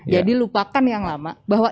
jadi lupakan yang lama bahwa